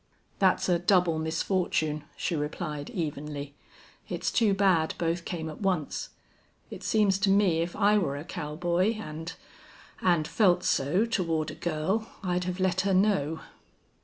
"That's a double misfortune," she replied, evenly. "It's too bad both came at once. It seems to me if I were a cowboy and and felt so toward a girl, I'd have let her know."